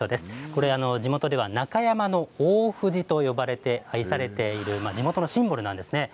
これ、地元では中山の大藤と呼ばれて愛されている、地元のシンボルなんですね。